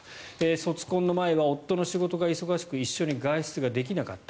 卒婚の前は夫の仕事が忙しく一緒に外出ができなかった。